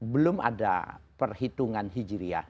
belum ada perhitungan hijriyah